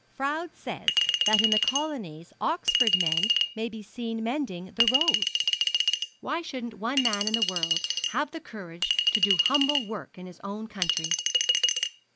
Froude says that in the colonies Oxford men may be seen mending the roads. Why shouldn't one man in the world have the courage to do humble work in his own country?